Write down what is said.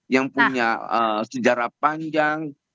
yang punya sejarah panjang